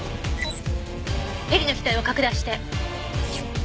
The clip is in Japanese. ヘリの機体を拡大して。